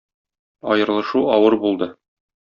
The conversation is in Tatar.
Аерылышу авыр булды